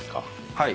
はい。